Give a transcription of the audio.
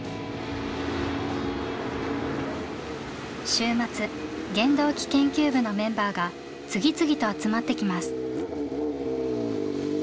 週末原動機研究部のメンバーが次々と集まってきます。